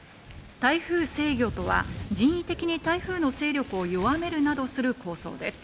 台風制御とは、人為的に台風の勢力を弱めるなどする構想です。